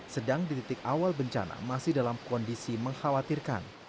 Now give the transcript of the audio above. sedang di titik awal bencana masih dalam kondisi mengkhawatirkan